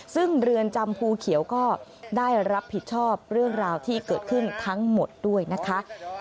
ซึ่งเรือนจำภูเขียวก็ได้รับผิดชอบเรื่องราวที่เกิดขึ้นทั้งหมดด้วยนะคะ